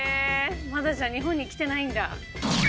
まだじゃあ日本に来てないんだ。